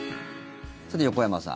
さて、横山さん。